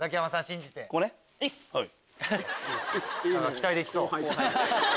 期待できそう。